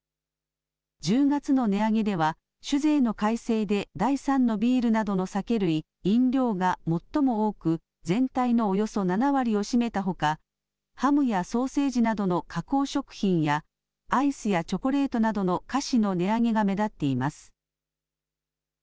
１０月の値上げでは酒税の改正で第３のビールなどの酒類・飲料が最も多く全体のおよそ７割を占めたほか、ハムやソーセージなどの加工食品やアイスやチョコレートなどの菓子の値上げが目立っています。